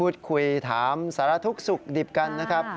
พูดคุยถามสารทุกข์สุขดิบกันนะครับ